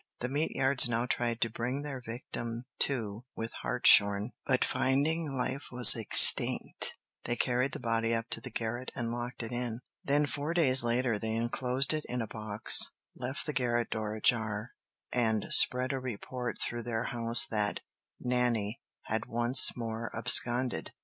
The Meteyards now tried to bring their victim to with hartshorn, but finding life was extinct, they carried the body up to the garret and locked it in. Then four days later they enclosed it in a box, left the garret door ajar, and spread a report through their house that "Nanny" had once more absconded.